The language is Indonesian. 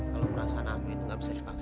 kalau perasaan aku itu gak bisa dipaksa